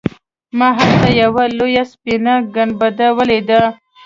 ما هلته یوه لویه سپینه ګنبده ولیده.